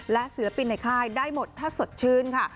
และศิลปินในค่ายได้หมดถ้าสดชื่นค่ะ